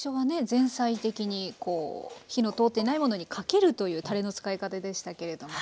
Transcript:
前菜的に火の通っていないものにかけるというたれの使い方でしたけれども。